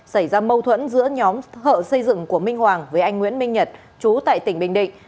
xảy ra mâu thuẫn giữa nhóm thợ xây dựng của minh hoàng với anh nguyễn minh nhật chú tại tỉnh bình định